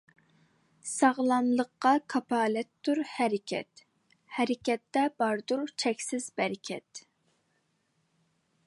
ساغلاملىققا كاپالەتتۇر ھەرىكەت، ھەرىكەتتە باردۇر چەكسىز بەرىكەت.